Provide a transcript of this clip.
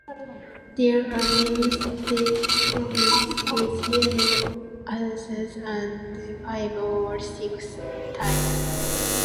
There are many stamens with yellow anthers and five or six styles.